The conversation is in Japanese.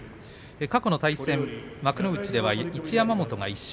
過去の対戦、幕内では一山本が１勝。